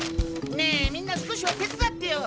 みんな少しは手伝ってよ！